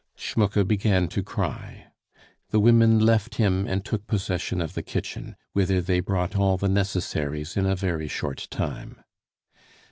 Schmucke began to cry. The women left him and took possession of the kitchen, whither they brought all the necessaries in a very short time.